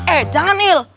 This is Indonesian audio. eh jangan il